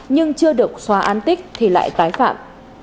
nhưng chưa được xóa an tích thì lại tái phạm